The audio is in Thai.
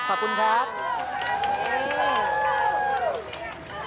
ขอบคุณครับ